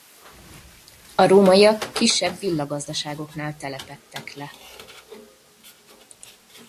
A rómaiak kisebb villagazdaságoknál telepedtek le.